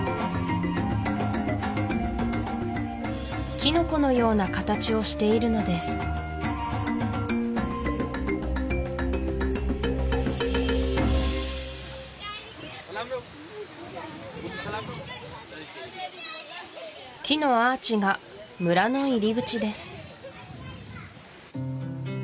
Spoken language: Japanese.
キノコのような形をしているのです木のアーチが村の入り口です